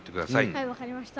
はい分かりました。